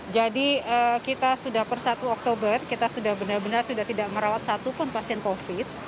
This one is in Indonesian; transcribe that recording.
jadi kita sudah per satu oktober kita sudah benar benar tidak merawat satupun pasien covid sembilan belas